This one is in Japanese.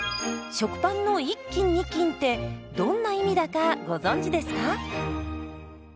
食パンの１斤２斤ってどんな意味だかご存じですか？